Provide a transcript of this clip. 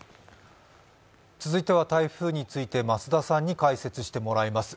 続いては台風について増田さんに解説してもらいます。